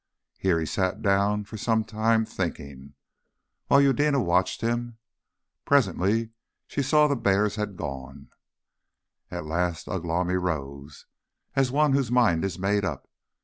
Here he sat down for some time thinking, while Eudena watched him. Presently she saw the bears had gone. At last Ugh lomi rose, as one whose mind is made up.